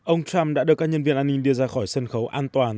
ông trump đã đưa các nhân viên an ninh đưa ra khỏi sân khấu an toàn